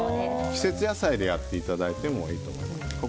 季節野菜でやっていただいてもいいと思います。